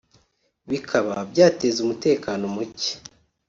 bikaba byateza umutekano muke